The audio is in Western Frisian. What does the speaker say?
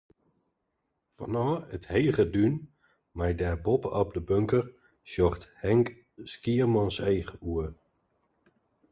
Fanôf it hege dún mei dêr boppe-op de bunker, sjocht Henk Skiermûntseach oer.